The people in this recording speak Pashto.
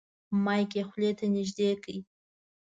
مایک یې خولې ته نږدې کړ.